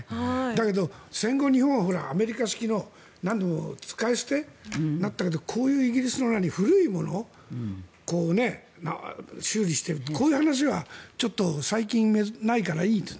だけど戦後、日本はアメリカ式の使い捨てになったけどこういうイギリスの古いもの修理してこういう話はちょっと最近ないからいい。